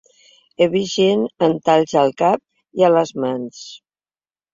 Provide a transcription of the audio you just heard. He vist gent amb talls al cap i a les mans.